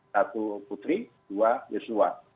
satu putri dua yesua